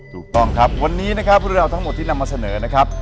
ถูกต้องครับวันนี้นะครับเรื่องราวทั้งหมดที่นำมาเสนอนะครับ